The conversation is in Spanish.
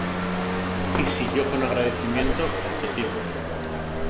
Y si yo con agradecimiento participo,